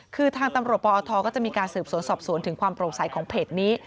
คือทางตำรวจปอทก็จะมีการสืบสวนสอบสวนถึงความโปร่งใสของเพจนี้